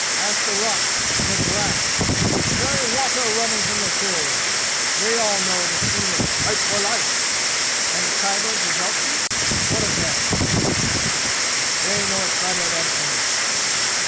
Ask the rocks, and the grass the very water running from the 'Hills'! They all know that the English fight for life!" "And the Khyber jezailchis? What of them?" King asked. "They know it better than any!"